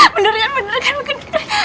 bener kan bener kan